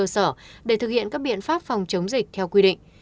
sở để thực hiện các biện pháp phòng chống dịch theo quy định